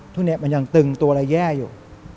ทุกอย่างมันยังตึงตัวละแย่อยู่